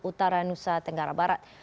utara nusa tenggara barat